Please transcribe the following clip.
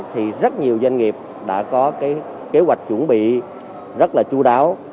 thì rất nhiều doanh nghiệp đã có cái kế hoạch chuẩn bị rất là chú đáo